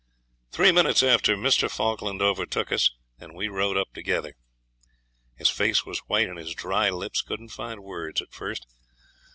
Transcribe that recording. Three minutes after Mr. Falkland overtook us, and we rode up together. His face was white, and his dry lips couldn't find words at first.